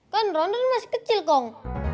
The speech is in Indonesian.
kan roron masih kecil kong